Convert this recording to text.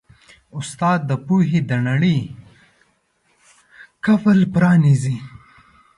استاد د پوهې د نړۍ قفل پرانیزي.